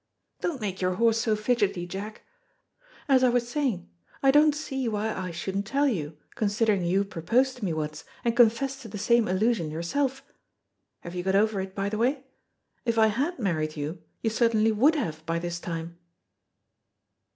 Don't make your horse so fidgety, Jack. As I was saying, I don't see why I shouldn't tell you, considering you proposed to me once, and confessed to the same illusion yourself. Have you got over it, by the way? If I had married you, you certainly would have by this time."